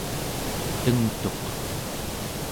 tengtuq